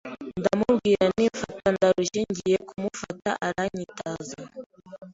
ndamubwira nti mfata ndarushye ngiye kumufata aranyitaza